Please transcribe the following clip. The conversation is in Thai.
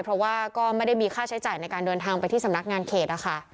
เพราะว่าก็ไม่ได้มีค่าใช้จ่ายในการเดินทางไปที่สำนักงานเขตนะคะ